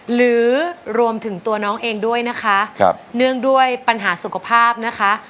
หรือรวมถึงตัวน้องเองด้วยนะคะเนื่องด้วยปัญหาสุขภาพนะคะ